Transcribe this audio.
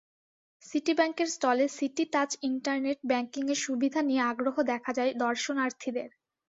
City ব্যাংকের স্টলে city touch internet ব্যাংকিয়ের সুবিধা নিয়ে আগ্রহ দেখা যায় দর্শনার্থীদের।